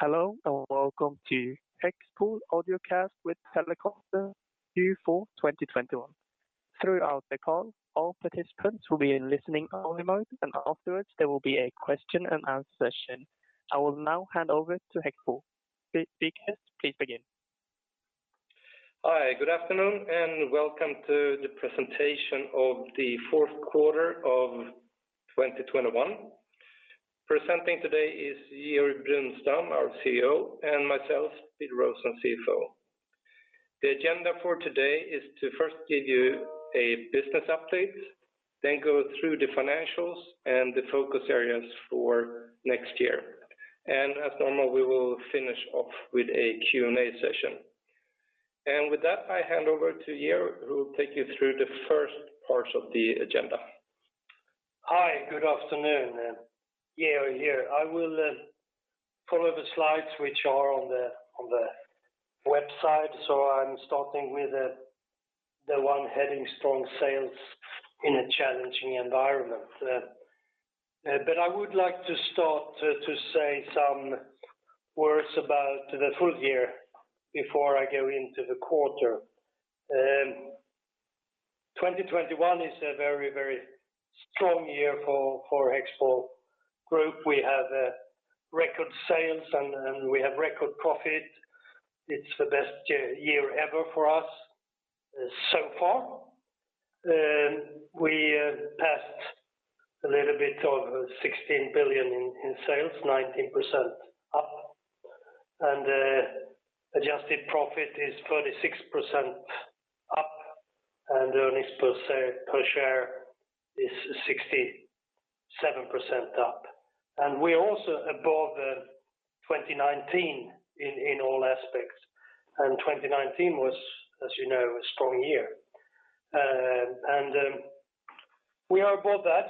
Hello, and welcome to HEXPOL Audiocast with Teleconference Q4 2021. Throughout the call, all participants will be in listening only mode, and afterwards there will be a question and answer session. I will now hand over to HEXPOL. Speakers, please begin. Hi, good afternoon and welcome to the presentation of the fourth quarter of 2021. Presenting today is Georg Brunstam, our CEO, and myself, Peter Rosén, CFO. The agenda for today is to first give you a business update, then go through the financials and the focus areas for next year. As normal, we will finish off with a Q&A session. With that, I hand over to Georg who will take you through the first part of the agenda. Hi, good afternoon. Georg here. I will pull up slides which are on the website, so I'm starting with the one heading strong sales in a challenging environment. I would like to start to say some words about the full year before I go into the quarter. 2021 is a very strong year for HEXPOL Group. We have record sales and we have record profit. It's the best year ever for us so far. We passed a little bit over 16 billion in sales, 19% up. Adjusted profit is 36% up, and earnings per share is 67% up. We're also above 2019 in all aspects, and 2019 was, as you know, a strong year. We are above that.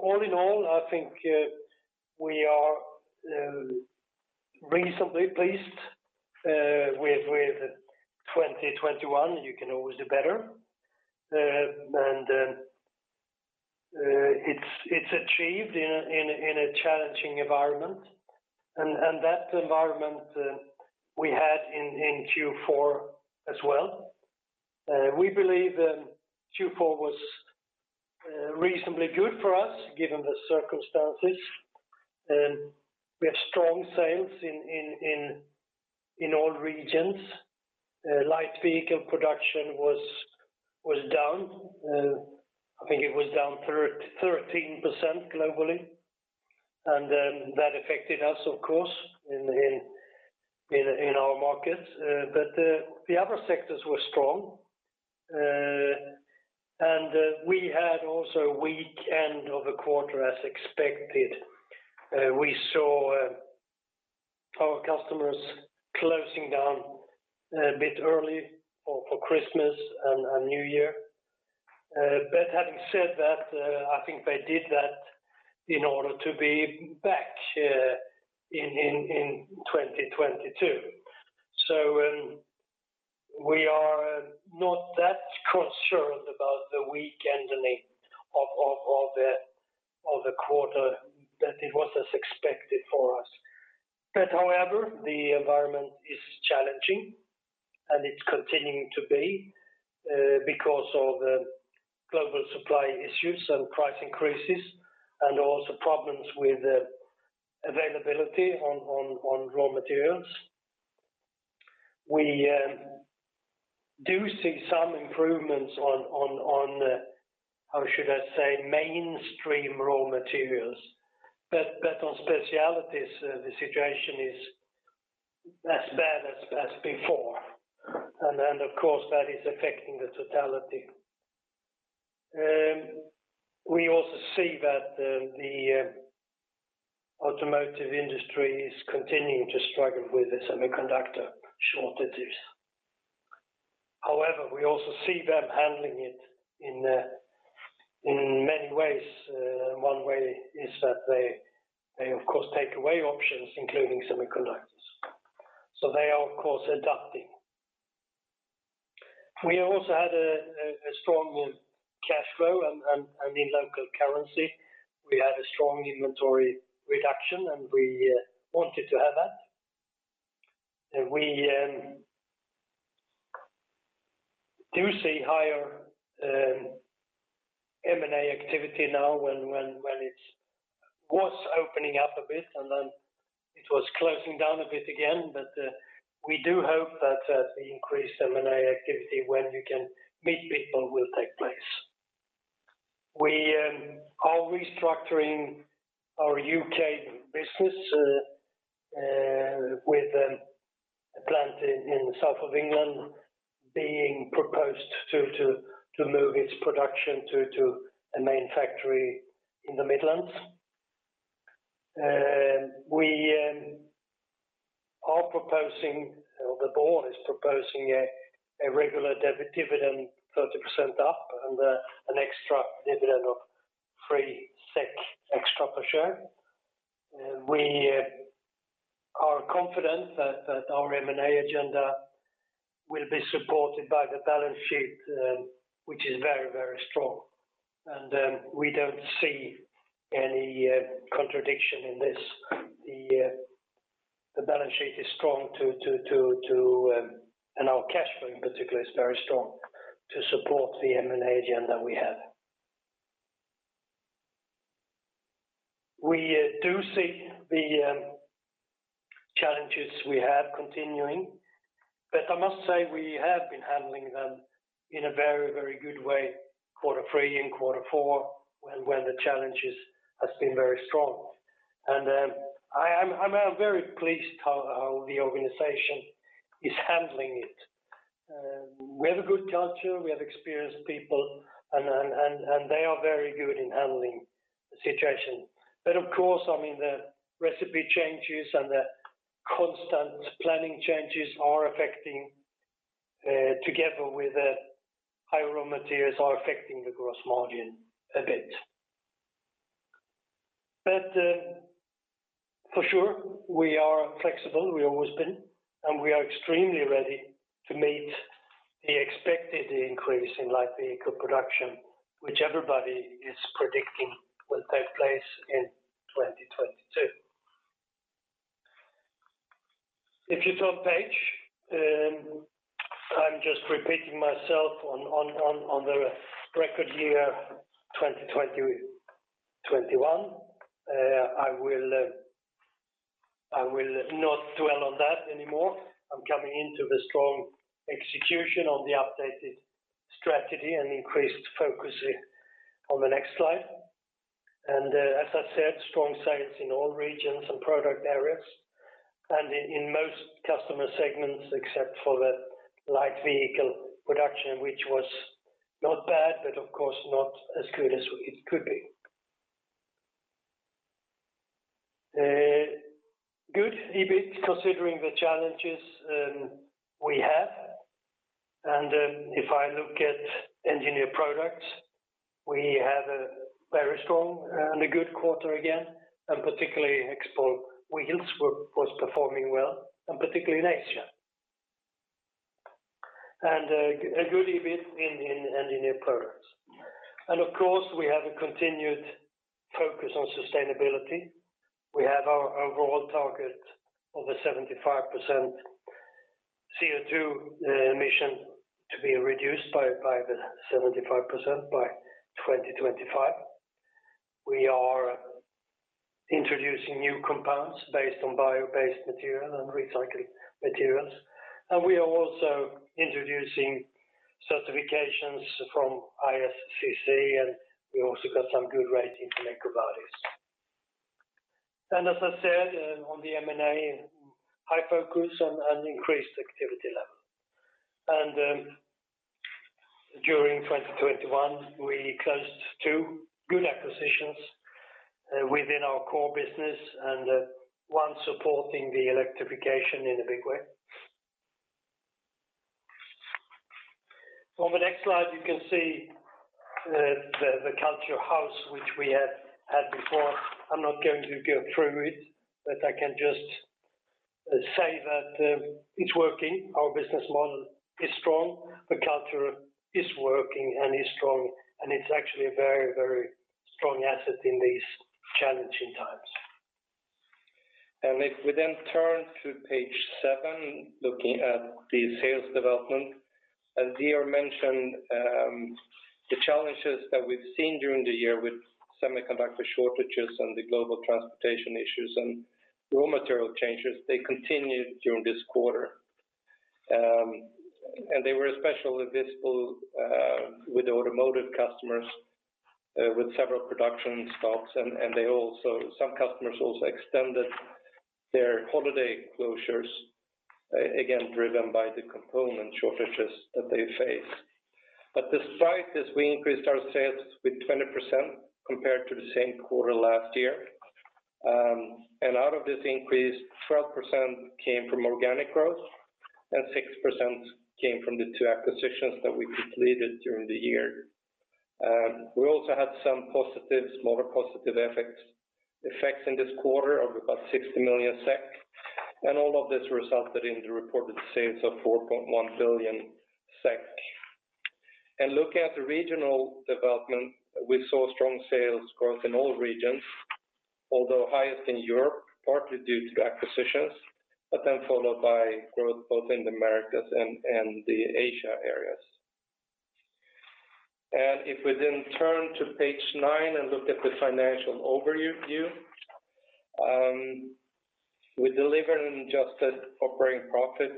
All in all, I think we are reasonably pleased with 2021. You can always do better. It's achieved in a challenging environment, and that environment we had in Q4 as well. We believe Q4 was reasonably good for us given the circumstances. We have strong sales in all regions. Light vehicle production was down. I think it was down 13% globally, and that affected us of course in our markets. But the other sectors were strong. We had also weak end of the quarter as expected. We saw our customers closing down a bit early for Christmas and New Year. Having said that, I think they did that in order to be back in 2022. We are not that concerned about the weak ending of the quarter that it was as expected for us. However, the environment is challenging, and it's continuing to be because of global supply issues and price increases, and also problems with availability on raw materials. We do see some improvements on how should I say, mainstream raw materials, but on specialties, the situation is as bad as before. Of course, that is affecting the totality. We also see that the automotive industry is continuing to struggle with the semiconductor shortages. However, we also see them handling it in many ways. One way is that they of course take away options, including semiconductors. They are of course adapting. We also had a strong cash flow and in local currency. We had a strong inventory reduction, and we wanted to have that. We do see higher M&A activity now when it was opening up a bit, and then it was closing down a bit again. We do hope that the increased M&A activity when you can meet people will take place. We are restructuring our U.K. business with a plant in south of England being proposed to move its production to a main factory in the Midlands. We are proposing or the board is proposing a regular dividend 30% up and an extra dividend of 3 SEK extra per share. We are confident that our M&A agenda will be supported by the balance sheet, which is very strong. We don't see any contradiction in this. The balance sheet is strong and our cash flow in particular is very strong to support the M&A agenda we have. We do see the challenges we have continuing. I must say we have been handling them in a very good way quarter 3 and quarter 4 when the challenges have been very strong. I am very pleased how the organization is handling it. We have a good culture, we have experienced people and they are very good in handling the situation. Of course, I mean, the recipe changes and the constant planning changes are affecting, together with the high raw materials are affecting the gross margin a bit. For sure we are flexible, we always been, and we are extremely ready to meet the expected increase in light vehicle production, which everybody is predicting will take place in 2022. If you turn page, I'm just repeating myself on the record year 2020, 2021. I will not dwell on that anymore. I'm coming into the strong execution of the updated strategy and increased focus on the next slide. As I said, strong sales in all regions and product areas, and in most customer segments except for the light vehicle production, which was not bad, but of course not as good as it could be. Good EBIT considering the challenges we have. If I look at Engineered Products, we have a very strong and a good quarter again, and particularly HEXPOL Wheels was performing well, and particularly in Asia. A good EBIT in Engineered Products. Of course we have a continued focus on sustainability. We have our overall target of a 75% CO2 emission to be reduced by 75% by 2025. We are introducing new compounds based on bio-based material and recycling materials. We are also introducing certifications from ISCC, and we also got some good ratings from EcoVadis. As I said, on the M&A, high focus and increased activity level. During 2021, we closed two good acquisitions within our core business, and one supporting the electrification in a big way. On the next slide, you can see the culture house which we have had before. I'm not going to go through it, but I can just say that it's working. Our business model is strong, the culture is working and is strong, and it's actually a very, very strong asset in these challenging times. If we then turn to page 7, looking at the sales development. As Georg mentioned, the challenges that we've seen during the year with semiconductor shortages and the global transportation issues and raw material changes continued during this quarter. They were especially visible with automotive customers with several production stops. Some customers also extended their holiday closures, again, driven by the component shortages that they face. Despite this, we increased our sales with 20% compared to the same quarter last year. Out of this increase, 12% came from organic growth, and 6% came from the two acquisitions that we completed during the year. We also had some more positive effects in this quarter of about 60 million SEK. All of this resulted in the reported sales of 4.1 billion SEK. Looking at the regional development, we saw strong sales growth in all regions, although highest in Europe, partly due to acquisitions, but then followed by growth both in the Americas and the Asia areas. If we then turn to page nine and look at the financial overview, we delivered an adjusted operating profit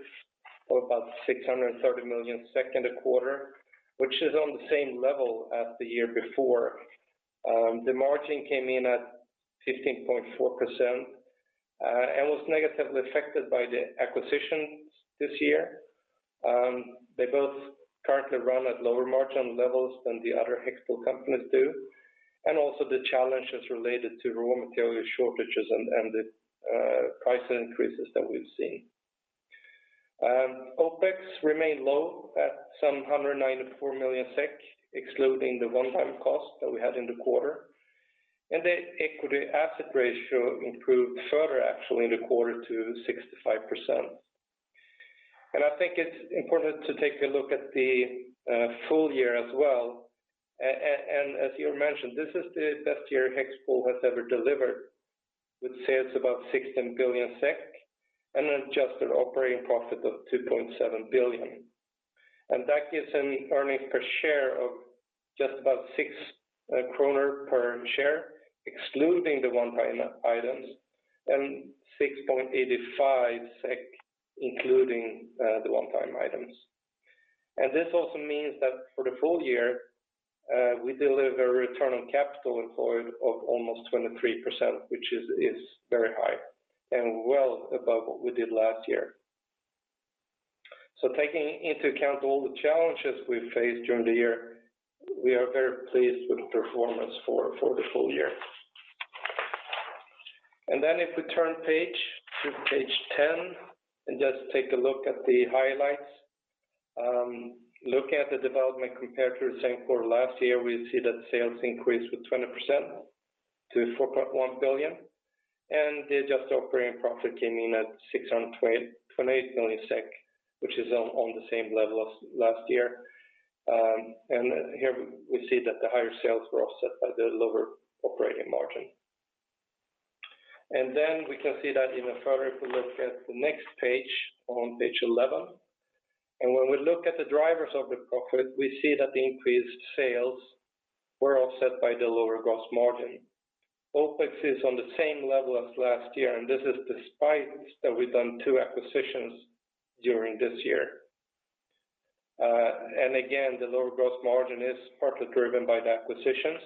of about 630 million in the quarter, which is on the same level as the year before. The margin came in at 15.4%, and was negatively affected by the acquisitions this year. They both currently run at lower margin levels than the other HEXPOL companies do, and also the challenges related to raw material shortages and the price increases that we've seen. OpEx remained low at 194 million SEK, excluding the one-time cost that we had in the quarter. The equity asset ratio improved further actually in the quarter to 65%. I think it's important to take a look at the full year as well. As Georg mentioned, this is the best year HEXPOL has ever delivered, with sales about 16 billion SEK, and an adjusted operating profit of 2.7 billion. That gives an earnings per share of just about 6 kronor per share, excluding the one-time items, and 6.85 SEK including the one-time items. This also means that for the full year, we deliver a return on capital employed of almost 23%, which is very high and well above what we did last year. Taking into account all the challenges we faced during the year, we are very pleased with the performance for the full year. If we turn to page 10 and just take a look at the highlights, looking at the development compared to the same quarter last year, we see that sales increased with 20% to 4.1 billion, and the adjusted operating profit came in at 628 million SEK, which is on the same level as last year. Here we see that the higher sales were offset by the lower operating margin. We can see that even further if we look at the next page, on page 11. When we look at the drivers of the profit, we see that the increased sales were offset by the lower gross margin. OpEx is on the same level as last year, and this is despite that we've done two acquisitions during this year. Again, the lower gross margin is partly driven by the acquisitions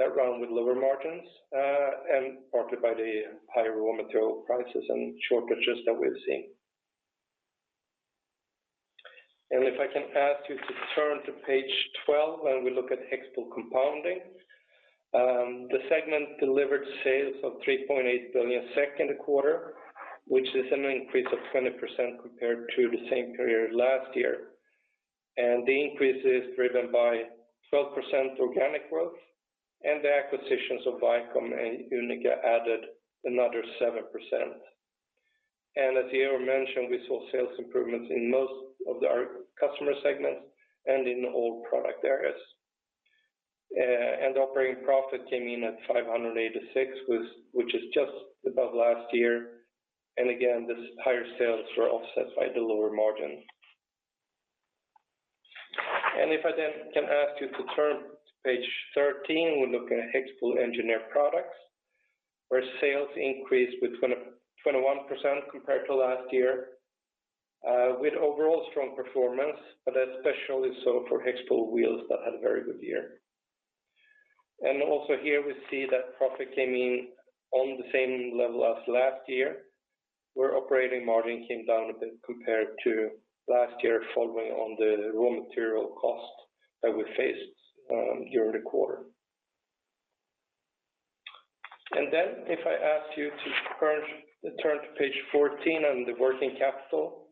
that run with lower margins, and partly by the higher raw material prices and shortages that we're seeing. If I can ask you to turn to page 12, where we look at HEXPOL Compounding. The segment delivered sales of 3.8 billion SEK in the quarter, which is an increase of 20% compared to the same period last year. The increase is driven by 12% organic growth, and the acquisitions of VICOM and Unica added another 7%. As Georg mentioned, we saw sales improvements in most of our customer segments and in all product areas. Operating profit came in at 586, which is just above last year. Again, the higher sales were offset by the lower margin. If I then can ask you to turn to page 13, we look at HEXPOL Engineered Products, where sales increased with 21% compared to last year, with overall strong performance, but especially so for HEXPOL Wheels that had a very good year. Also here we see that profit came in on the same level as last year, where operating margin came down a bit compared to last year following on the raw material cost that we faced during the quarter. Then if I ask you to turn to page 14 on the working capital,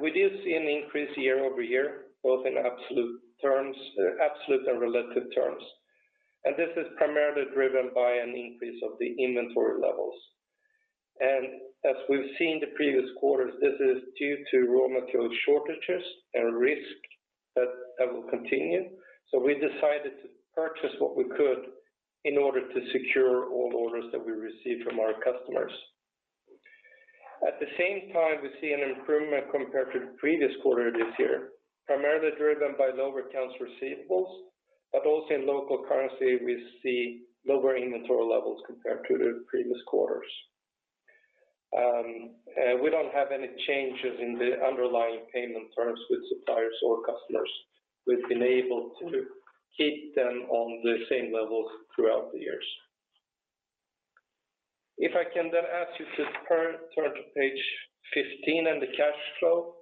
we did see an increase year-over-year, both in absolute terms, absolute and relative terms. This is primarily driven by an increase of the inventory levels. As we've seen the previous quarters, this is due to raw material shortages and risk that will continue. We decided to purchase what we could in order to secure all orders that we received from our customers. At the same time, we see an improvement compared to the previous quarter this year, primarily driven by lower accounts receivables, but also in local currency, we see lower inventory levels compared to the previous quarters. We don't have any changes in the underlying payment terms with suppliers or customers. We've been able to keep them on the same levels throughout the years. If I can then ask you to turn to page 15 and the cash flow.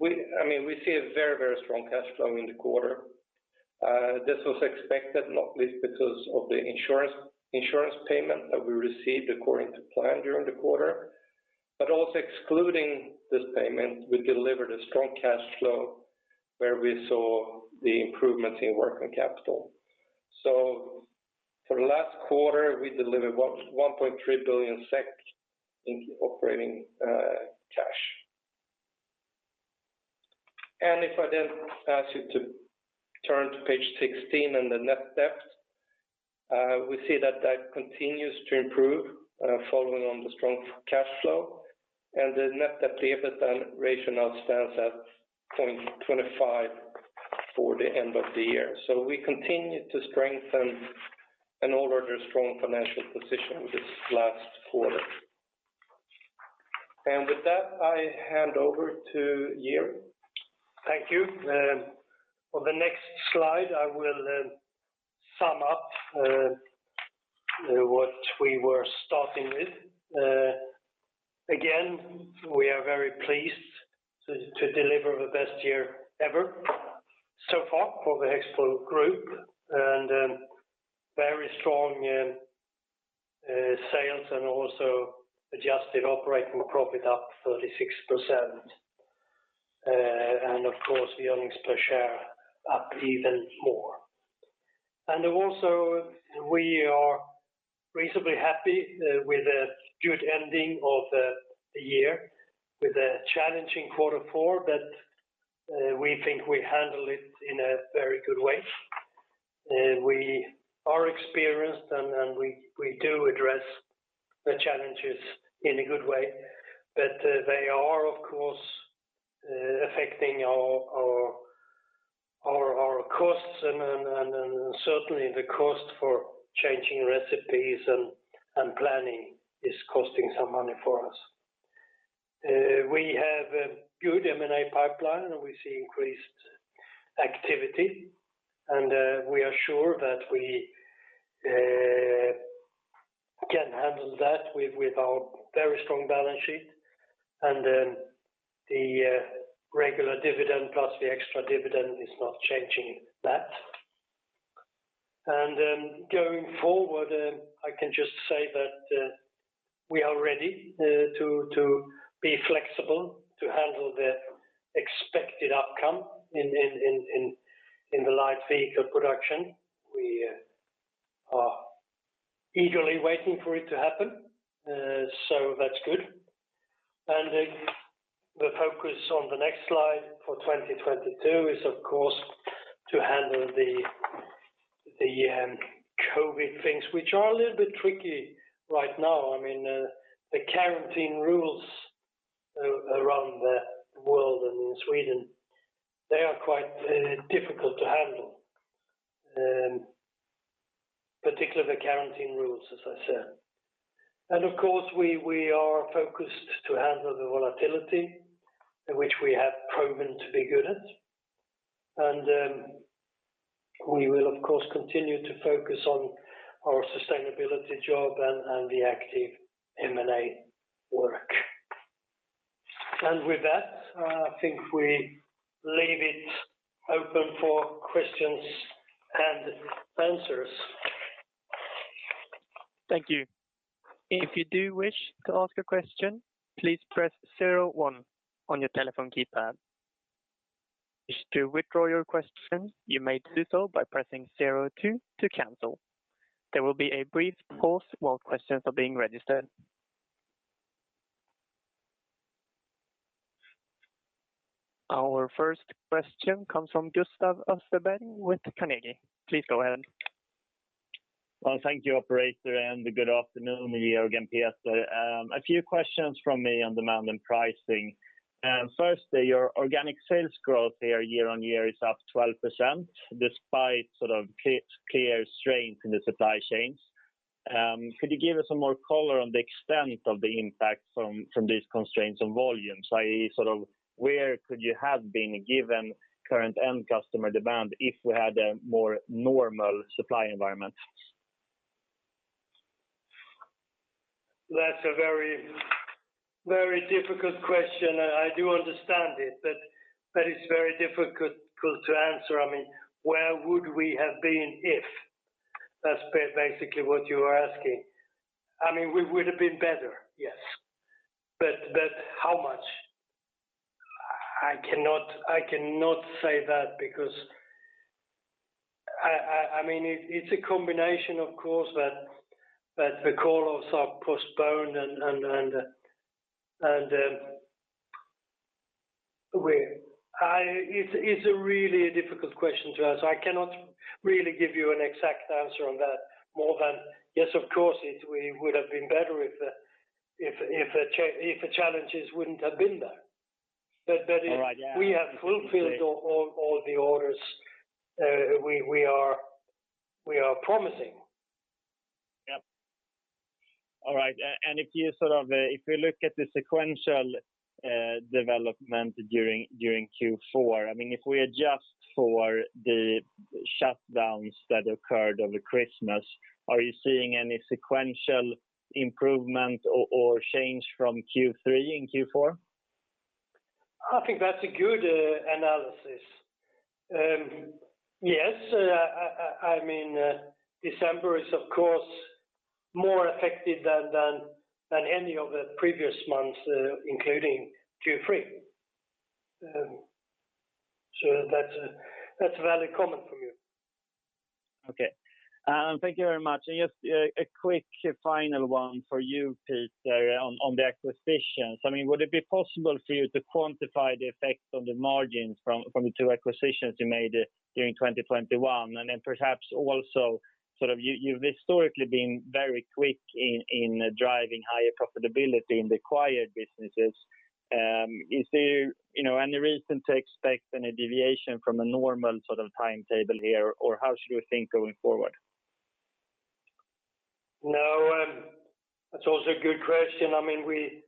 We see a very, very strong cash flow in the quarter. This was expected, not least because of the insurance payment that we received according to plan during the quarter. Also excluding this payment, we delivered a strong cash flow where we saw the improvements in working capital. For the last quarter, we delivered 1.3 billion SEK in operating cash. If I then ask you to turn to page 16 and the net debt, we see that continues to improve, following on the strong cash flow. The net debt-to-EBITDA ratio now stands at 0.25x for the end of the year. We continue to strengthen an already strong financial position this last quarter. With that, I hand over to Georg. Thank you. On the next slide, I will sum up what we were starting with. Again, we are very pleased to deliver the best year ever so far for the HEXPOL Group and very strong sales and also adjusted operating profit up 36%. Of course, the earnings per share up even more. We are reasonably happy with a good ending of the year with a challenging quarter 4 that we think we handle it in a very good way. We are experienced and we do address the challenges in a good way. They are, of course, affecting our costs and certainly the cost for changing recipes and planning is costing some money for us. We have a good M&A pipeline, and we see increased activity, and we are sure that we can handle that with our very strong balance sheet. The regular dividend plus the extra dividend is not changing that. Going forward, I can just say that we are ready to be flexible to handle the expected outcome in the light vehicle production. We are eagerly waiting for it to happen, so that's good. The focus on the next slide for 2022 is, of course, to handle the COVID things, which are a little bit tricky right now. I mean, the quarantine rules around the world and in Sweden, they are quite difficult to handle. Particularly the quarantine rules, as I said. Of course, we are focused to handle the volatility, which we have proven to be good at. We will, of course, continue to focus on our sustainability job and the active M&A work. With that, I think we leave it open for questions and answers. Thank you. If you do wish to ask a question, please press zero one on your telephone keypad. If you wish to withdraw your question, you may do so by pressing zero two to cancel. There will be a brief pause while questions are being registered. Our first question comes from Gustav Österberg with Carnegie. Please go ahead. Well, thank you, operator, and good afternoon to you again, Georg and Peter. A few questions from me on demand and pricing. Firstly, your organic sales growth here year-on-year is up 12% despite sort of clear strength in the supply chains. Could you give us some more color on the extent of the impact from these constraints on volumes? i.e., sort of where could you have been given current end customer demand if we had a more normal supply environment? That's a very difficult question. I do understand it, but that is very difficult to answer. I mean, where would we have been if? That's basically what you are asking. I mean, we would have been better, yes. How much? I cannot say that because I mean, it's a combination, of course, that the call-offs are postponed and. It's a really difficult question to answer. I cannot really give you an exact answer on that more than, yes, of course, we would have been better if the challenges wouldn't have been there. That is All right. Yeah. We have fulfilled all the orders we are promising. Yep. All right. If you sort of look at the sequential development during Q4, I mean, if we adjust for the shutdowns that occurred over Christmas, are you seeing any sequential improvement or change from Q3 in Q4? I think that's a good analysis. Yes, I mean, December is of course more affected than any of the previous months, including Q3. So that's a valid comment from you. Okay. Thank you very much. Just a quick final one for you, Peter, on the acquisitions. I mean, would it be possible for you to quantify the effect on the margins from the two acquisitions you made during 2021? Then perhaps also, sort of, you've historically been very quick in driving higher profitability in the acquired businesses. Is there, you know, any reason to expect any deviation from a normal sort of timetable here? Or how should we think going forward? No, that's also a good question. I mean, we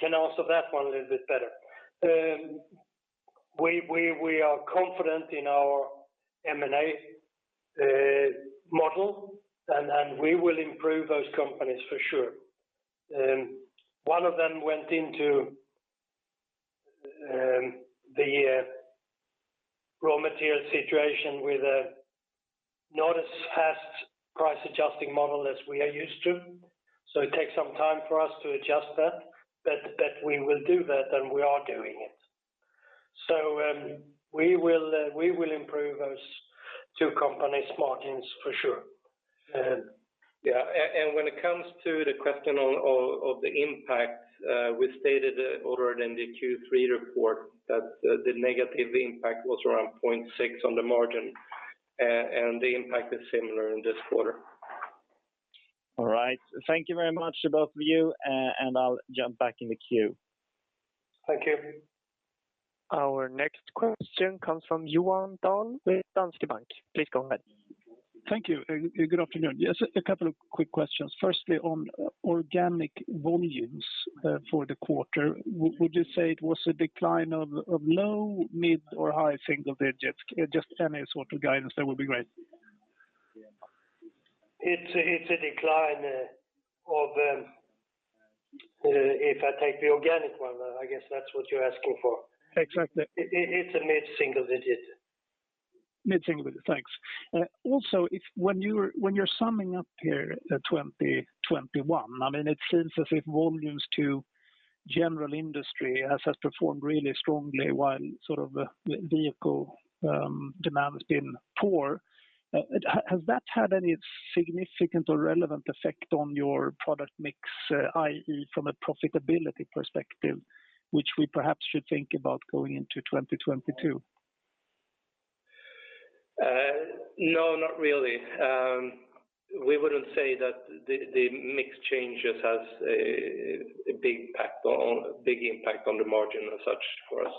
can answer that one a little bit better. We are confident in our M&A model and we will improve those companies for sure. One of them went into the raw material situation with a not as fast price adjusting model as we are used to. It takes some time for us to adjust that, but we will do that, and we are doing it. We will improve those two companies' margins for sure. When it comes to the question of the impact, we stated already in the Q3 report that the negative impact was around 0.6% on the margin, and the impact is similar in this quarter. All right. Thank you very much to both of you, and I'll jump back in the queue. Thank you. Our next question comes from Johan Dahl with Danske Bank. Please go ahead. Thank you, good afternoon. Yes, a couple of quick questions. Firstly, on organic volumes, for the quarter, would you say it was a decline of low, mid, or high single digit? Just any sort of guidance, that would be great. It's a decline of, if I take the organic one, I guess that's what you're asking for. Exactly. It's a mid-single digit. Mid-single digit, thanks. Also, when you're summing up here, 2021, I mean, it seems as if volumes to general industry has performed really strongly while sort of vehicle demand has been poor. Has that had any significant or relevant effect on your product mix, i.e., from a profitability perspective, which we perhaps should think about going into 2022? No, not really. We wouldn't say that the mix changes has a big impact on the margin as such for us.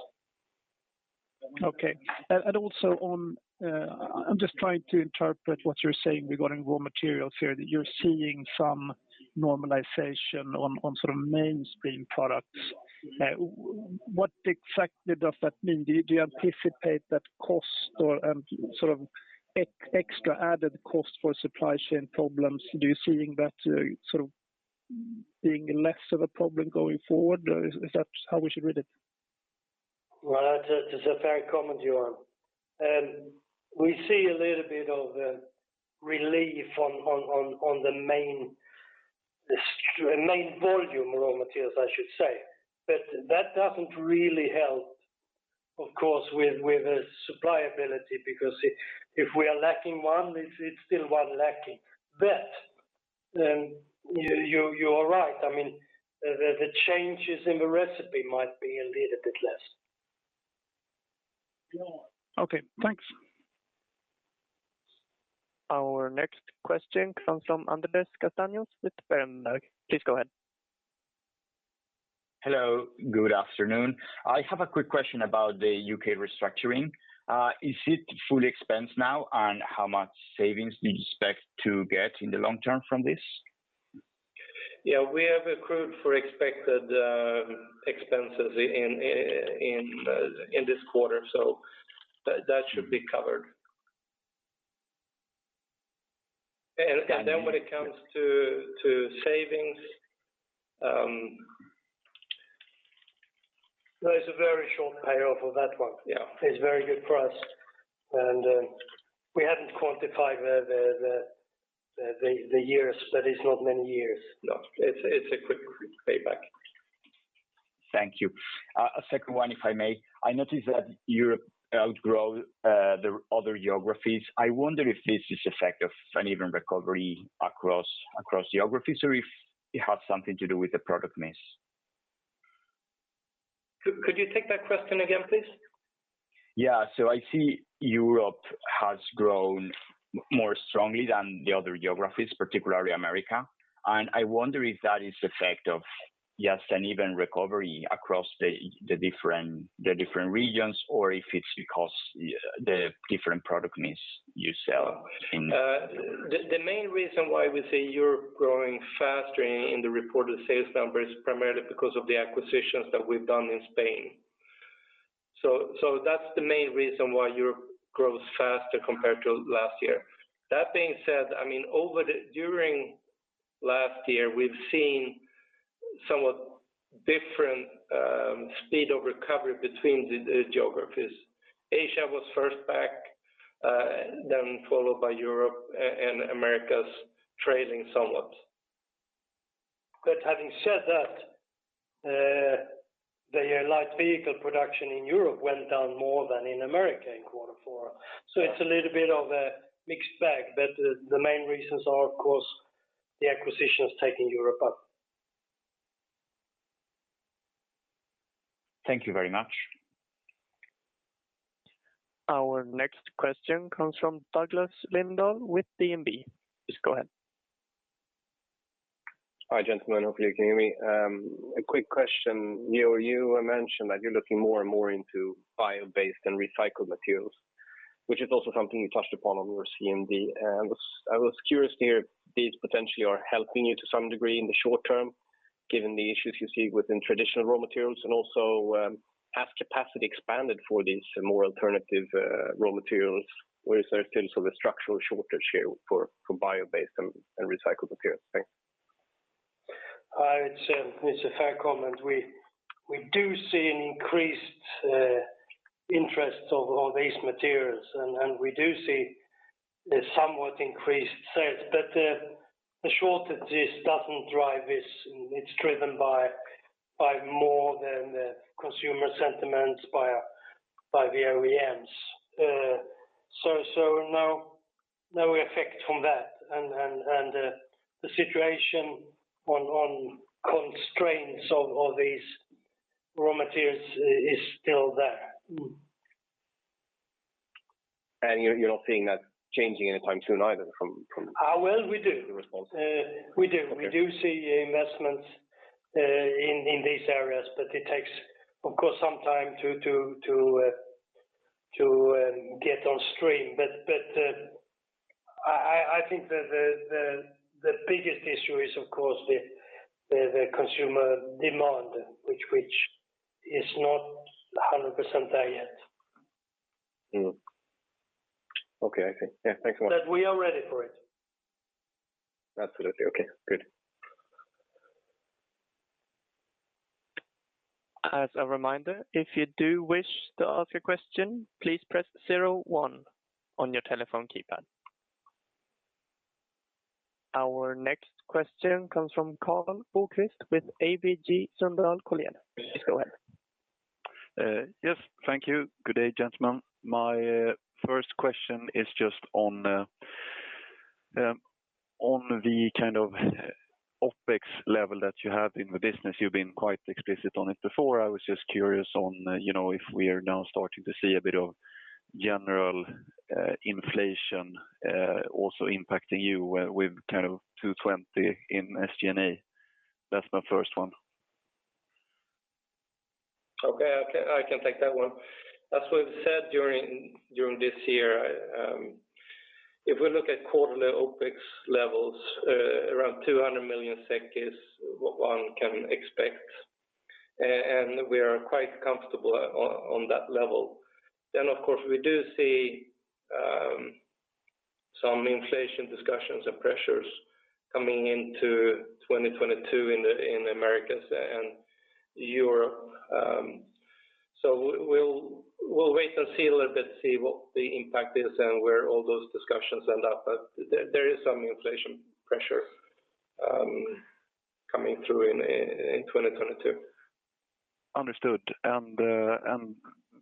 I'm just trying to interpret what you're saying regarding raw materials here, that you're seeing some normalization on sort of mainstream products. What exactly does that mean? Do you anticipate that cost or sort of extra added cost for supply chain problems? Do you see that sort of being less of a problem going forward, or is that how we should read it? Well, that's a fair comment, Johan. We see a little bit of relief on the main volume raw materials, I should say. That doesn't really help, of course, with the supply availability because if we are lacking one, it's still one lacking. You are right. I mean, the changes in the recipe might be a little bit less. Okay, thanks. Our next question comes from Andrés Castaños-Mollor with Berenberg. Please go ahead. Hello, good afternoon. I have a quick question about the U.K. restructuring. Is it fully expensed now? How much savings do you expect to get in the long term from this? Yeah. We have accrued for expected expenses in this quarter, so that should be covered. Then when it comes to savings. There is a very short payoff of that one. Yeah. It's very good for us. We haven't quantified the years, but it's not many years. No. It's a quick payback. Thank you. A second one if I may. I noticed that Europe outgrew the other geographies. I wonder if this is effect of uneven recovery across geographies, or if it has something to do with the product mix? Could you take that question again, please? I see Europe has grown more strongly than the other geographies, particularly America, and I wonder if that is the effect of just an even recovery across the different regions or if it's because the different product mix you sell in- The main reason why we say Europe growing faster in the reported sales numbers is primarily because of the acquisitions that we've done in Spain. That's the main reason why Europe grows faster compared to last year. That being said, I mean, during last year, we've seen somewhat different speed of recovery between the geographies. Asia was first back, then followed by Europe and America's trailing somewhat. Having said that, the light vehicle production in Europe went down more than in America in quarter 4. It's a little bit of a mixed bag, but the main reasons are, of course, the acquisitions taking Europe up. Thank you very much. Our next question comes from Douglas Lindahl with DNB. Please go ahead. Hi, gentlemen. Hopefully you can hear me. A quick question. Georg, you mentioned that you're looking more and more into bio-based and recycled materials, which is also something you touched upon over CMD. I was curious to hear if these potentially are helping you to some degree in the short term, given the issues you see within traditional raw materials and also, has capacity expanded for these more alternative raw materials? Or is there still sort of a structural shortage here for bio-based and recycled materials? Thanks. No, it's a fair comment. We do see an increased interest in all these materials and we do see a somewhat increased sales. The shortages doesn't drive this. It's driven by more than the consumer sentiments by the OEMs. No effect from that. The situation on constraints of all these raw materials is still there. You're not seeing that changing anytime soon either from Well, we do. The response? We do. Okay. We do see investments in these areas, but it takes, of course, some time to get on stream. I think the biggest issue is of course the consumer demand which is not 100% there yet. Mm-hmm. Okay. I see. Yeah, thanks so much. We are ready for it. Absolutely. Okay, good. As a reminder, if you do wish to ask a question, please press zero one on your telephone keypad. Our next question comes from Karl Bokvist with ABG Sundal Collier. Please go ahead. Yes, thank you. Good day, gentlemen. My first question is just on the kind of OpEx level that you have in the business. You've been quite explicit on it before. I was just curious on, you know, if we are now starting to see a bit of general inflation also impacting you with kind of 220 in SG&A. That's my first one. Okay. I can take that one. As we've said during this year, if we look at quarterly OpEx levels, around 200 million is what one can expect. And we are quite comfortable on that level. Of course, we do see some inflation discussions and pressures coming into 2022 in the Americas and Europe. We'll wait and see a little bit, see what the impact is and where all those discussions end up. There is some inflation pressure coming through in 2022. Understood.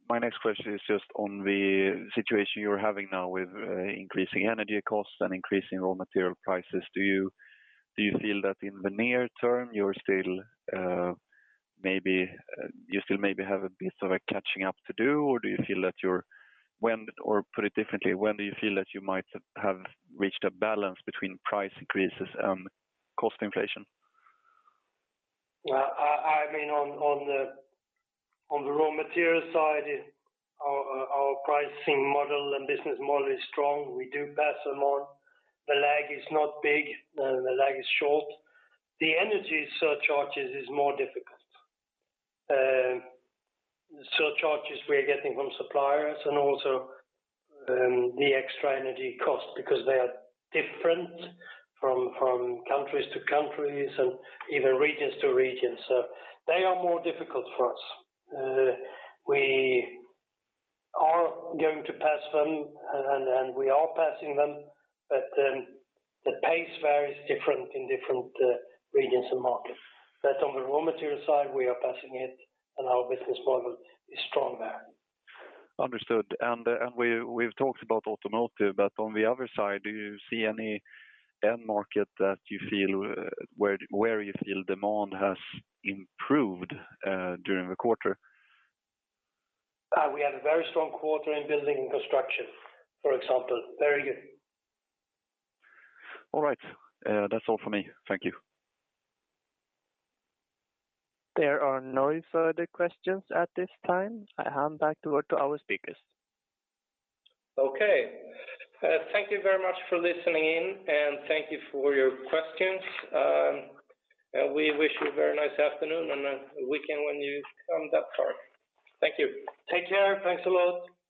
My next question is just on the situation you're having now with increasing energy costs and increasing raw material prices. Do you feel that in the near term you're still maybe you still maybe have a bit of a catching up to do? Or do you feel that you're Or put it differently, when do you feel that you might have reached a balance between price increases and cost inflation? Well, I mean on the raw material side, our pricing model and business model is strong. We do pass them on. The lag is not big. The lag is short. The energy surcharges is more difficult. Surcharges we're getting from suppliers and also the extra energy costs because they are different from country to country and even region to region. They are more difficult for us. We are going to pass them and we are passing them, but the pace varies differently in different regions and markets. On the raw material side, we are passing it and our business model is strong there. Understood. We've talked about automotive, but on the other side, do you see any end market that you feel where you feel demand has improved during the quarter? We had a very strong quarter in building and construction, for example. Very good. All right. That's all for me. Thank you. There are no further questions at this time. I hand back over to our speakers. Okay. Thank you very much for listening in, and thank you for your questions. We wish you a very nice afternoon and a weekend when you've come that far. Thank you. Take care. Thanks a lot.